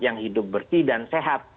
yang hidup bersih dan sehat